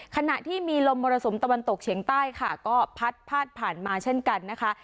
ขณะที่มีลมมรสุมตะวันตกเฉียงใต้ค่ะก็พัดพาดผ่านมาเช่นกันนะคะ